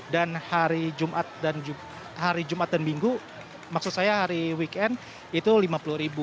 dan hari jumat dan minggu maksud saya hari weekend itu rp lima puluh